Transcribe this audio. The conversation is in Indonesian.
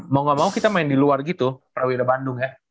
mau gak mau kita main di luar gitu prawira bandung ya